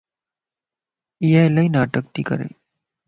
ايا الائي ناٽڪ تي ڪري